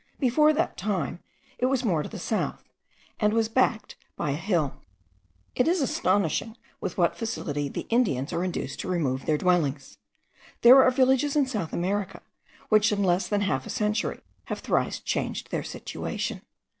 Before that time it was more to the south, and was backed by a hill. It is astonishing with what facility the Indians are induced to remove their dwellings. There are villages in South America which in less than half a century have thrice changed their situation.